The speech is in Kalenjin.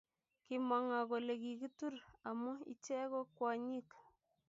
Kimw ngo kole kikitur amu iche ko kwonyik